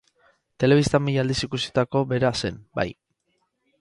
Telebistan mila aldiz ikusitako bera zen, bai.